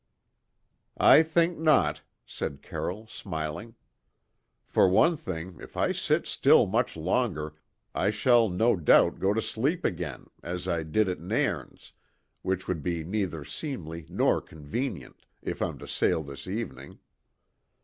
"I think not," said Carroll, smiling. "For one thing, if I sit still much longer, I shall, no doubt, go to sleep again, as I did at Nairn's, which would be neither seemly nor convenient, if I'm to sail this evening.